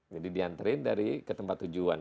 jadi diantri dari ke tempat tujuan